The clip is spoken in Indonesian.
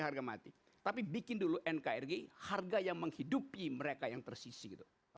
harga mati tapi bikin dulu nkrg harga yang menghidupi mereka yang tersisi gitu